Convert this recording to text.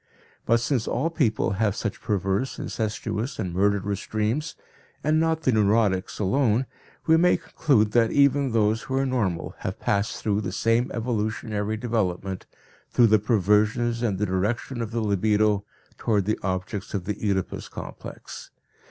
But since all people have such perverse, incestuous and murderous dreams, and not the neurotics alone, we may conclude that even those who are normal have passed through the same evolutionary development, through the perversions and the direction of the libidio toward the objects of the Oedipus complex.